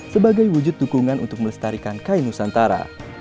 sebagai wujud dukungan untuk melestarikan kain nusantara